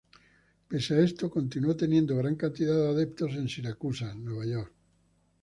Pese a esto, continuó teniendo gran cantidad de adeptos en Siracusa, Nueva York.